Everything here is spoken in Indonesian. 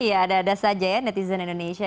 iya ada ada saja ya netizen indonesia